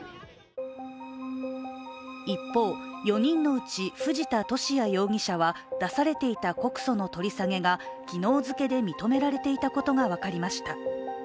一方、４人のうち藤田聖也容疑者は出されていた告訴の取り下げが昨日付で認められていたことが分かりました。